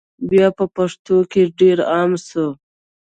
بیا په پښتنو کي ډېر عام سو